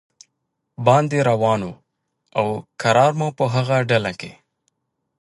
باندې روان و او کرار مو په هغه ډله کې.